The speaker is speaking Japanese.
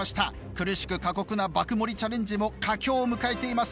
苦しく過酷な爆盛りチャレンジも佳境を迎えています。